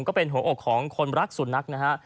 ก็เป็นหัวอกของคนรักสุนัขนะฮะ